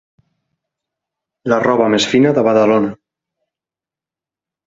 La roba més fina de Badalona.